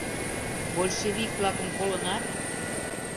Большевик-влакым колынат?